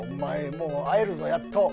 もう会えるぞやっと。